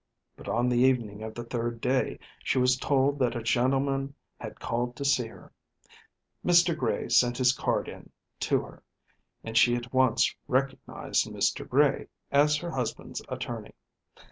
But on the evening of the third day she was told that a gentleman had called to see her. Mr. Gray sent his card in to her, and she at once recognised Mr. Gray as her husband's attorney.